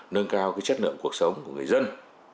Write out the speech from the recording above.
nâng cao chất lượng cuộc sống của người dân